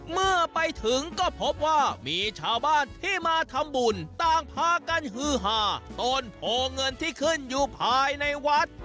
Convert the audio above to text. เมื่อไปถึงก็พบว่ามีชาวบ้านที่มาทำบุญต่างพากันฮือหาต้นโพเงินที่ขึ้นอยู่ภายในวัด